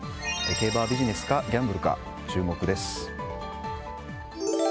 競馬はビジネスかギャンブルか注目です。